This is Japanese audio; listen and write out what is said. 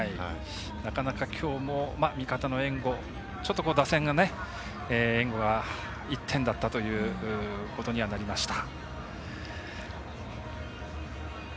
なかなか、きょうも味方の援護、打線の援護が１点だったということにはなりました。